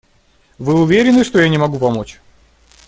Вы уверены, что я не могу помочь?